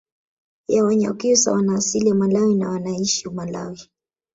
ya wanyakyusa wana asili ya malawi na wnaishi malawi